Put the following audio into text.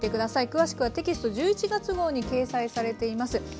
詳しくはテキスト１１月号に掲載されています。